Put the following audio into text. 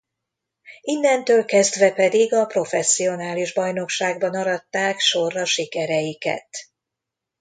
Innentől kezdve pedig a professzionális bajnokságban aratták sorra sikereiket.